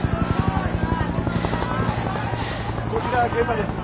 こちら現場です